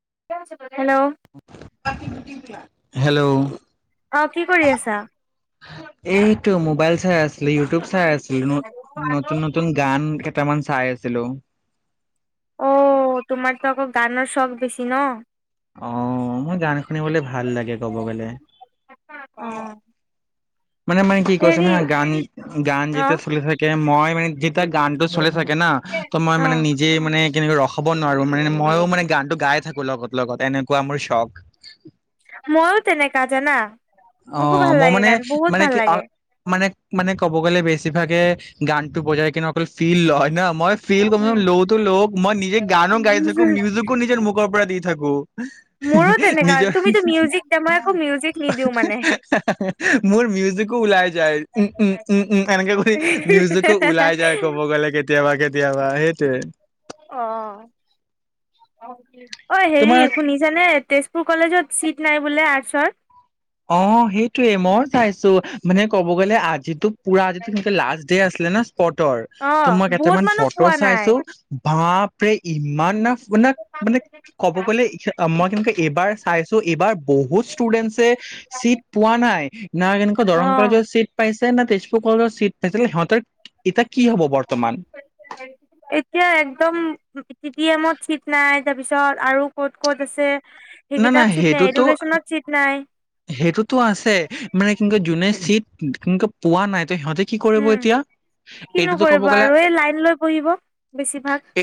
[unintelligible] [unintelligible] Hello, অহ ', কি কৰি আছা? এইটো মোবাইল চাই আছিল, ইউটিউব চাই আছিল। নতুন -নতুন গান, তামাঙ চাই আছিলো। অ', তোমাৰতো আকৌ গানৰ শখ বেছি নঃ? অহ ', মোৰ গান শুনিবলে ভাল লাগে কব গলে। অ মানে, মানে কি কোৱাচোন হেৰি হা', গান, গান অ যেতিয়া চলি থাকে, মই মানে যেতিয়া গানটো চলে, থাকে না ত', মই অ মানে নিজে মানে কেনেকে ৰখাব, হ'ব নোৱাৰো মানে মইয়ো মানে গানটো গাই থাকো লগত -লগত এনেকুৱা মোৰ চখ। মইয়ো তেনেকা জানা। মোকো অহ, ভাল মই লাগে মানে গান বহুত -মানে ভাল কি লাগে অ', মানে, মানে ক'ব গ'লে বেছিভাগে গানতো বজাই কিনে অকল ফিল লয় ন', মই ফিল কৰি উম লওঁতো লও, মই নিজে গানো গাই থাকো মিউজিকো নিজৰ মুখৰ পৰা দি, থাকো। মোৰো তেনেকা, নিজৰ তুমিতো মিউজিক দিয়া মই আকৌ মিউজিক নিদিও মানে। মোৰ মিউজিকো ওলাই যায় উম -উম - উম - উম এনেকে কৰি মিউজিকো ওলাই যায় ক'ব গ'লে কেতিয়াবা কে, দিয়া বা সেইটোৱে। অহ ', অ তোমাৰ হেৰি শুনিছানে তেজপুৰ কলেজত চিট নাই বোলে আৰ্টছৰ। ‌ অ' সেইটয়ে, মইও‌ চাইছো মানে ক'ব আজিটো পুৰা, আজিতো মানে লাষ্ট আছিলে না। ফট'ৰ অ তো মই বহুত কেইটামান মানুহ ফটো পোৱা নাই চাইছো। বাপৰেই ইমান ইমান না, মানে ক'ব গ'লে, মই কেনেকে এইবাৰ চাইছোঁ এইবাৰ বহুত ষ্টুডেন্টছে চিট পোৱা নাই, না কেনেকুৱা দৰং অ কলেজত চিট পাইছে। ছে না, তেজপুৰ কলেজত চিট পাইছিল। সিহঁতৰ কিতাক এতিয়া একদম পি টি এমত চিট নাই। তাৰপিছত আৰু ক'ত ক'ত আছে? না না সেইকেইতাত চিত নাই, সেইটোতো এডুকেশ্যনত চিত নাই। সেইটোতো আছে, মানে কি বুলি কয় যোনে চিট কি বুলি কয়, পোৱা নাই ত সিহঁতে কি কৰিব উম এতিয়া কিনো এইটোতো ক'ব কৰিব গ'লে আৰু, এই লাইন লৈ পঢ়িব, বেছিভাগ। এ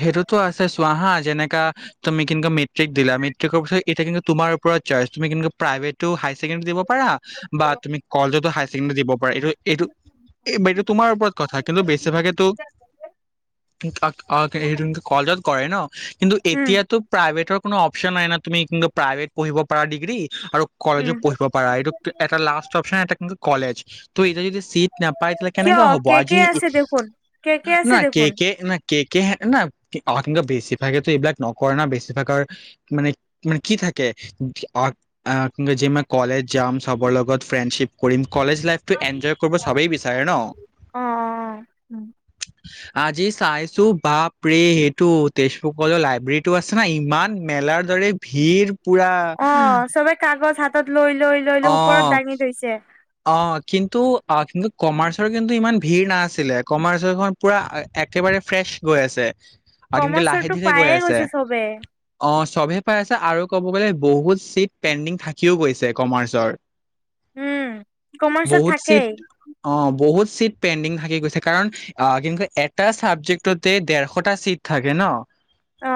সেইটোতো আছে, চোৱা হা যেনেকা তুমি কিন্তু মেট্ৰিক দিলা, মেট্ৰিকৰ পিছত কিন্তু তোমাৰ ওপৰত চইচ, তুমি প্ৰাইভেটো হাই ছেকেণ্ডৰী দিব পাৰা, বা তুমি কলেজতো হাই ছেকেণ্ডৰী দিব পাৰা। এইটো, এইটো এইটো তোমাৰ ওপৰত কথা কিন্তু বেছিভাগেতো অ হেৰি কলেজত কৰে ন, কিন্তু উম এতিয়াতো প্ৰাইভেটৰ কোনো অপছন নাই ন, তুমি কিন্তু প্ৰাইভেট পঢ়িব পাৰা ডিগ্ৰী আৰু কলেজো উম পঢ়িব পাৰা, এইটো এটা লাষ্ট অপছন এটা কিন্তু কলেজ, এনেকে এতিয়া যদি চিট নাপায় তেন্তে কিয় কেনেকে হ'ব কে আজি কে আছে দেখোন কে কে ন আছে কে দেখোন কে না কে কে হে না, কি বেছিভাগে তো এইবিলাক নকৰে ন। বেছিভাগৰ মানে, মানে কি থাকে কি যে মই কলেজ যাম, সবৰ লগত ফ্ৰেণ্ডশ্বিপ কৰিম। কলেজ লাইফটো এনজয় কৰিব চবেই, বিচাৰে ন। অ আজি চাই। চ' বাপ ৰে সেইটো তেজপুৰ ক'লো লাইব্ৰেৰীটো আছে নহয়, ইমান মেলাৰ দৰে ভিৰ। পুৰা অ চবে কাগজ হাতত লৈ লৈ লৈ লৈ অ ওপৰত দাঙি থৈছে। অ কিন্তু, অ কিন্তু কমাৰ্চৰ কিন্তু ইমান ভিৰ নাছিলে, কমাৰ্চখন পুৰা একেবাৰে ফ্ৰেচ গৈ আছে। আৰু কিন্ত লাহে কমাৰ্চৰটো ধীৰে গৈ পায়ে আছে, গৈছে চবে অ চবে পাই আছে আৰু ক'ব গ'লে বহুত চিট পেণ্ডিং থাকিও গৈছে, ‌ কমাৰ্চৰ। উম। কমাৰ্চত বহুত চিট, থাকেই অ বহুত চিট পেণ্ডিং থাকি গৈছে কাৰণ, আহ কিন্তু এটা চাবজেক্টতে ডেৰশটা চিট থাকে ন। অ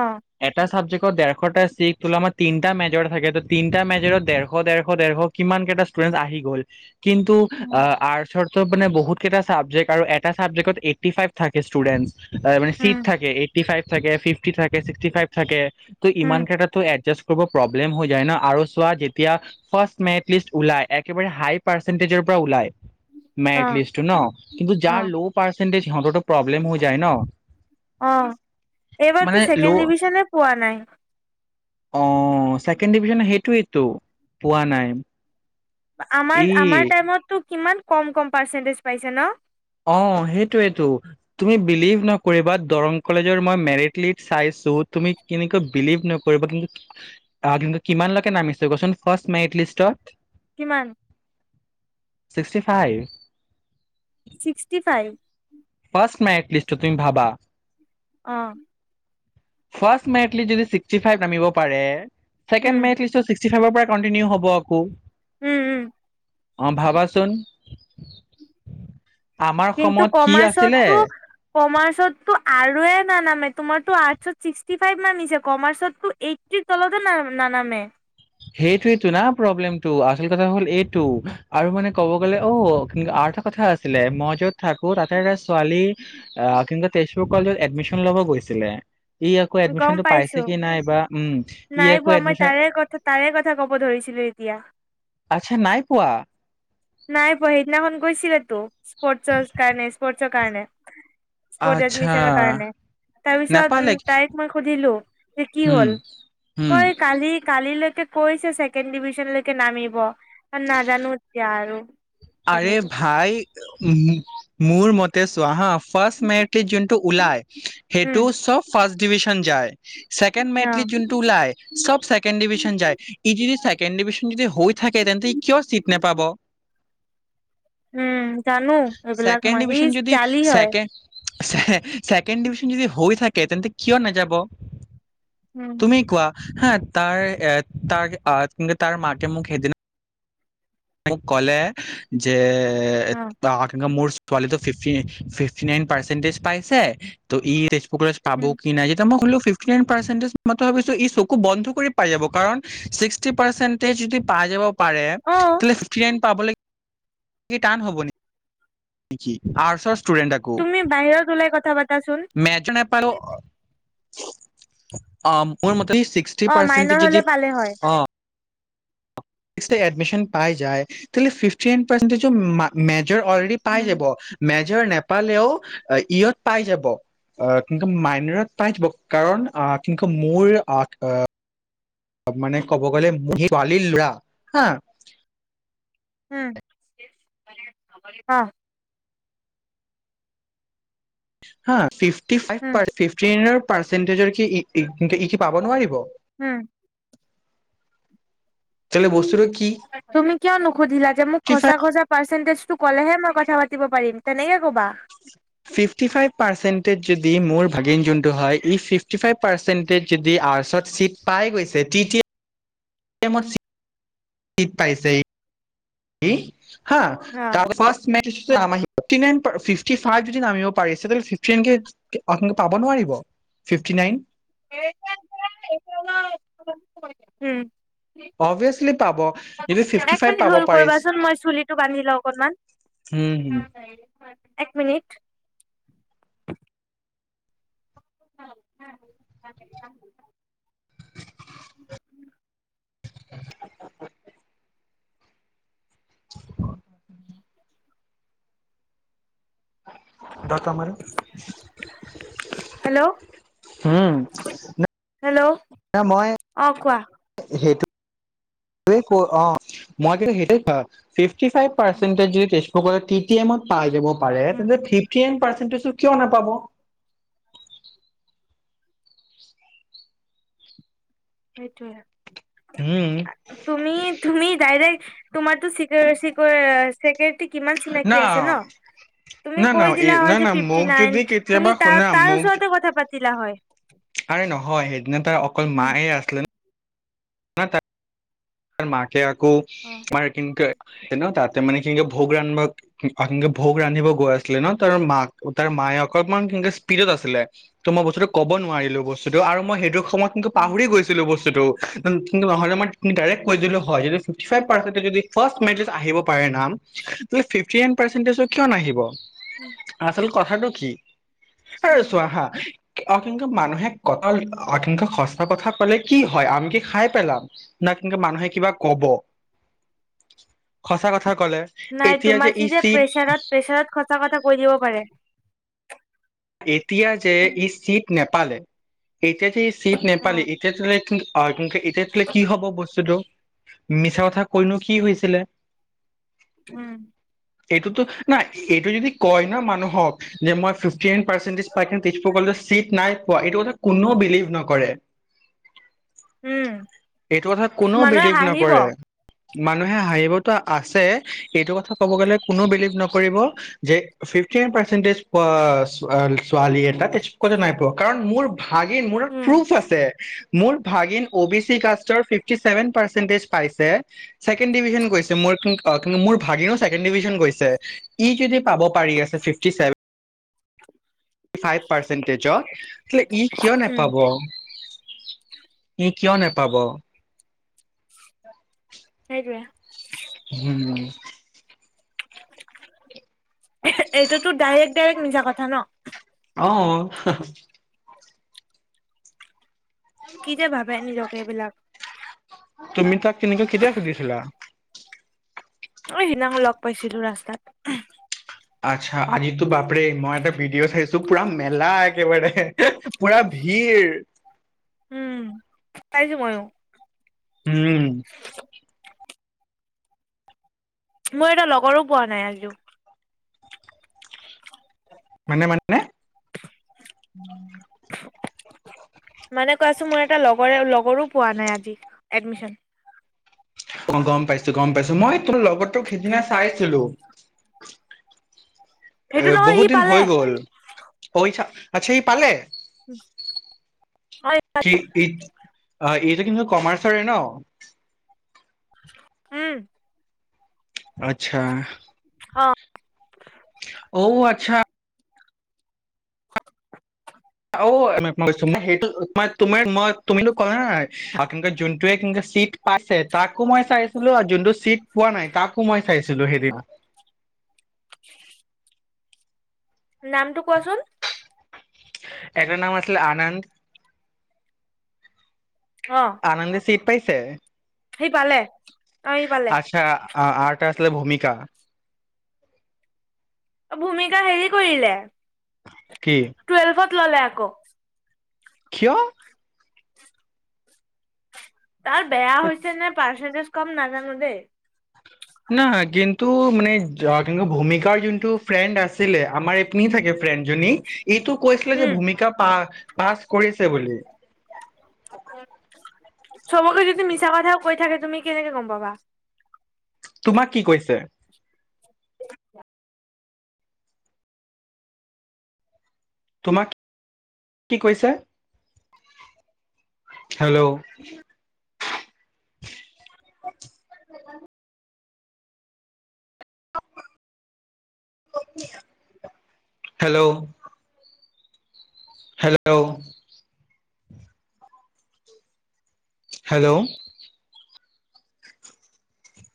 এটা চাবজেক্ট শ ডেৰশটা ছিটতো আমাৰ তিনিটা মেজৰ থাকে, ত' তিনিটা মেজৰত দেৰশ ডেৰশ- ডেৰশ কিমান কেইটা ষ্টুডেন্ট আহি গ'ল। কিন্তু আ আৰ্টছৰ আৰ্টছত মানে বহুত কেইটা ছাবজেক্ট আৰু এটা চাবজেক্টত এইটি ফাইভ থাকে ষ্টুডেণ্টচ। তাৰে মানে চিট উম থাকে, এইটি ফাইভ থাকে ফিফটি থাকে, ছিক্সটি ফাইভ থাকে। ত' উম ইমান কেইটাটো এডজাচ হ'ব প্ৰব্লেম হৈ যায় ন আৰু চোৱা যেতিয়া ফাৰ্ষ্ট মেৰিট লিস্ত ওলাই, একেবাৰে হাই পাৰ্চেণ্টেজৰ পৰা ওলায়। অ মেৰিত লিষ্টটো ন, কিন্তু অ যাৰ ল' পাৰ্চেণ্টেজ সিহতৰটো প্ৰব্লেম হৈ যায় ন। অঁ, মানে এইবাৰতো ল' ছেকেণ্ড ডিভিজনে পোৱা নাই। অঁ, ছেকেণ্ড ডিভিজন সেইটোৱেইতো, পোৱা নাই। ই আমাৰ- আমাৰ টাইমতটো কিমান কম কম পাৰ্চেন্টেজ পাইছে ন। অঁ, সেইটোৱেইটো তুমি বিলিভ নকৰিবা দৰং কলেজৰ মই মেৰিট লিষ্ট চাইছো, তুমি কেনেকৈ বিলিভ নকৰিবা কিন্তু কি কিমানলৈকে নামিছে কোৱাচোন ফাৰ্ষ্ট মেৰিট লিষ্টত। কিমান। Sixty five. Sixty five. First merit লিষ্টত তুমি ভাবা। অঁ। ফাৰ্ষ্ট মেৰিটলিত যদি ছিক্সটি ফাইভ নামিব পাৰে চেকেণ্ড উম মেৰিট লিষ্টত ছিক্সটি ছিক্সটি ফাইভৰ পৰা কণ্টিনউ হ'ব আকৌ। উম উম। অঁ ভাবাচোন। আমাৰ কিন্তু সময়ত কি আছিলে কমাৰ্চতটো কমাৰ্চতটো আৰুয়ে নানামে, তোমাৰটো আৰ্টছত ছিক্সটি ফাইভ নামিছে, কমাৰ্চতটো এইটিৰ তলতে ন নানামে। সেইটোইটো না প্ৰব্লেমটো আচল কথা হ'ল এইটো আৰু মানে ক'ব গ'লে অঁ, কিন্তু আৰু এটা কথা আছিলে, মই য'ত থাকো তাতে এটা ছোৱালী আ, কিন্তু তেজপুৰ কলেজত এডমিশন ল'ব গৈছিলে। ই আকৌ গম এডমিশ্যনটো পাইছো পাইছে কি নাই বা, উম। ই নাই আকৌ পোৱা, মই এডমিশন তাৰে কথা তাৰ তাৰে কথা ক'ব ধৰিছিলো এতিয়া, আচ্ছা নাই পোৱা নাই পহিদিনাখন গৈছিল [unintelligible] স্পৰ্টছৰ কাৰনে স্পৰ্টছ নিজ কাৰণে সুত আচ্ছা এডমিশ্যনৰ কাৰণে তাৰপিছত উ নেপালে তাইক মই সুধিলো যে কি উম হ'ল? উম কৈ কালি কা কালিলৈকে কৈছে ছেকেণ্ড ডিভিজনলৈকে নামিব কাৰ নাজানো এতিয়া আৰু আৰে তেনেকে ভাই উ মোৰ মতে চুৱাহাফ ফাৰ্ষ্ট মেৰটি যোনটো ওলাই উম সেইটো চব ফাৰ্ষ্ট ডিভিশ্যন যায়, ছেকেণ্ড অ মেটলি যোনটো ওলাই চব ছেকেণ্ড ডিভিশ্যন যায়, ই যদি ছেকেণ্ড ডিভিশ্যন যদি হৈ থাকে তেন্তে ই কিয় চিট নোপাব উম জানো এইবিলাক ছেকেণ্ড মই ডিভিজন ইচ যদি জালি হয়। ছেকেণ্ড ছেকেণ্ড ডিভিশ্যন যদি হৈ থাকে তেন্তে কিয় নাযাব উম তুমি কোৱা হা তাৰ এ তাৰ কিন্তু তাৰ মাকে মোক সেইদিনা- কলে যে এ অ [unintelligible] মোৰ পোৱালিটো ফিফি ফিফটি নাইন পাৰ্চেন্টেজ পাইছে ত ই কুকলেচ পাব উম কি নাই যেতিয়া মই খুললো ফিফটি নাইন পাৰ্চেন্টেজ মই তো ভাবিছো ই চকু বন্ধ কৰি পাই যাব কাৰণ ছিক্সটি পাৰ্চেটেজ যদি পাই যাব পাৰে অ ফিফটি নাইন পাবলে এই টান হ'ব নি? নিকি আৰ্চৰ ষ্টু তুমি বাহিৰত ওলাই কথা পাতাচোন পাই ল অ মোৰ মতে ছিক্সটি অ পাৰ্চেন্টেজ মাইনৰ যদি হ'লে পালে হয়। ইষ্টে এডমিশ্যন পাই যায়, তেতিয়া হ'লে ফিফটিন পাৰ্চেণ্টিজো মা মে চিঞৰ অলৰেডি পাই উম যাব মেজ চিয়ৰ নেপালেও ইয়ত পাই যাব, অ কিন্তু মাইনৰত পাই যাব, কাৰণ কিন্তু মোৰ অট অ মানে ক'ব গ'লে মো ছোৱালী ল'ৰা হা উম অহ হা ফিফ ফিফটি ফাইভ উম পাৰ্চে ফিফটিনৰ পাৰ্চেন্টিজৰ কি ই ই কি পাব নোৱাৰিব হম চেলে বস্তুটো কি তুমি কিয় নুখুধিলা যে মোক ফিফটি খচা ফাইভ খচা পাৰ্চেণ্টিজ তোক ক'লেহে মই কথা পাতিব পাৰিম তেনেকে ক'বা ফিফটি ফাইভ পাৰ্চন্টেজ যদি মোৰ ভাগিন যোনটো হয় ই ফিফটি ফাইভ পাৰ্চেণ্টেজ যদি আ্চত চিট পাই গৈছে টিটি মই চিট পাইছে কি হা অ তাৰ অ [unintelligible] ফিফটি ফাইভ যদি নামিব পাৰিছে তে উম [unintelligible] পাব নোৱাৰিব পিফটি নাইন [unintelligible] উম অবিয়াসলি পাব, ফিফটি এক ফাইভ মিনিট পাব হল্ড পাৰিছে, কৰিবাচোন মই চুলিটো বান্ধি লওঁ অকনমান। হম হম এক মিনিট [unintelligible] [unintelligible] [unintelligible] উম হেল্ল', হুম হেল্ল', উম মই অ কোৱা সেইটোৱে [unintelligible] ফিফটি ফাইভ পাৰেটজ স টি টি এমত পাই যাব পাৰে উম তেন্তে পিফটি ৰেংক পাৰচেন্ট তেন্তেচো কিয় নাপাব সেইটোৱে উম তুমি, তুমি ডাইৰেক্ট তোমাৰ তো [unintelligible] কিমান না চিনাকি আছে ন, তুমি না না কৈ দিলা না হয় যে না ফিফটি মোক যদি নাইন কেতিয়াবা তুমি তাৰ, শুনা তাৰ মোক ওচৰতে কথা পাতিলা হয়। আৰে নহয় সেইদিনা তাৰ অকল উম মায়ে আছিলে ন অ ত [unintelligible] সেইয়া আকৌ, অ আৰে কিনকে ন তাতে মানে কিনেকে ভোগ ৰান্ধিব ভোগ ৰান্ধিব গৌ আছিলে ন তাৰ মাক তাৰ মায়ে অকমান কেনকে স্পীডত আছিলে তৌ মই বস্তুটো কব নোৱাৰিলো বস্তুতটো আৰু মই সেইটো তোমাক কিন্তু অ পাহৰি গৈছিলো বস্তু টো কিন্তু নহলে মই [unintelligible] ডাইৰেক্ট কৈ দিলো হয় এ উম [unintelligible] ফাৰ্ষ্ট মেৰিট লিষ্ট আহিব পাৰে নাম, কিন্তু ফিফটি ৰেংক পাৰচেন্টেচত কিয় নাহিব উম আচল কথাটো কি? সেই উম। চোৱা হা অসংখ্য মানুহে কথা অসংখ্য সঁচা কথা ক'লে কি হয় আমি কি খাই পেলাম ন এনকে মানুহে কিবা কব সঁচা কথা ক'লে নাই এতিয়া তোমাক সি ই যে চিট প্ৰেছাৰত প্ৰেছাৰত সঁচা কথা কৈ দিব পাৰে পালে এতিয়া যি চিট নেপালি উম এতিয় তোলে কি অ কি এতিয়া তোলে কি হ'ব বস্তুটো মিছা কথা কৈনো কি হৈছিলে উম এইটোতো না এইটো যদি কয় ন মানুহক যে মই ফিফ টেন পাৰ্চেণ্টেজ পায় কিন্তু তেজপুৰ কলেজত চিট নাই পোৱা এইটো কথা কোনো বিলিভ নকৰে উম এইটো কথা কোনেও মানুহে বিলিভ হাঁহিব নকৰে মানুহে হাঁহিবতো আছে এইটো কথা ক'ব গ'লে কোনো বিলিভ নকৰিব যে ফিফটি নাইন পাৰ্চেন্টেজ পোৱা ছোৱালী ছোৱালী এটা তেজপোকতে নাই পোৱা কাৰণ মোৰ ভাগিন মোৰ উম প্ৰুফ আছে মোৰ ভাগিন অ বি চি কাষ্টৰ ফিফটি চেভেন পাৰ্চেন্টেজ পাইছে ছেকেণ্ড ডিভিজন গৈছে কিন্তু মোৰ ভাগিনো ছেকেণ্ড ডিভিজন গৈছে ই কিদি পাব পাৰি আছে ফিফটি চেভেন ফাইভ পাৰ্চন্টেজত তেতিয়াহ'লে ই কিয় উম নেপাব ই কিয় নেপাব সেইটোৱে হোম উমখ এইটোতো ডাইৰেক্ট ডাইৰেক্ট মিছা কথা ন অ হহ কি যে ভাবে নিজকে এইবিলাক তুমি তাক সেনেকৈ কেতিয়া সুধিছিলা অ সেইদিনাখন লগ পাইছিলো ৰাস্তাত উমহ আচ্ছা আজিতো বাপৰে মই এটা ভিডিঅ' চাইছো পুৰা মেলা একেবাৰে পুৰা ভিৰ উম পাইছোঁ ময়ো উম মোৰ এটা লগৰো পোৱা নাই আজিও মানে মানে উম থু মানে কোৱাছো মোৰ এক একটা লগৰে লগৰো পোৱা নাই আজি এডমিশন অ গম পাইছোঁ গম পাইছোঁ মই তোৰ লগত তোক সিদিনা চাইছিলো এ সেইটো নহয় বহুত সি দিন পালে হৈ গ'ল আচ্ছা সি পালে? হয় কি ই [unintelligible] অ', এইটো কিন্তু কমাৰ্চৰে ন? উম। আচ্ছা। অ ঔ আ ছা অ', সেই ত মই তুমো কলে নাইে যোনটোৱে চিট পাইছে তাকো মই চাইছিলো আৰু যোনটো চিট পোৱা নাই তাকো মই চাইছিলো সেইদিন। নামটো কোৱাচোন? এটাৰ নাম আছিলে আনন্দ। অ আনন্দ চিত পাইছে। সি পালে। অ সি পালে আচ্ছাঁ আছিল ভূমি [unintelligible] ভূমিকা হেৰি কৰিলে কি? ক ল'লে আকৌ। কিয়? তাৰ বেয়া হৈছে নে পা পাৰ্চেন্টেজ কম নাজানো দে। নহয়, কিন্তু মানে কিন্তু ভূমিকাৰ যোনটো ফ্ৰেণ্ড আছিলে আমাৰ এপনি থাকে ফ্ৰেণ্ডজনী। এইটো কৈছিলে যে উম ভূমিকা পা পাছ কৰিছে বুলি। চবকে যদি মিছা কথাও কৈ থাকে তুমি কেনেকে গম পাবা। তোমাক কি কৈছে? তোমাক, কি কৈছে? হেল্ল'? হেল্ল'? হেল্ল'? হেল্ল'?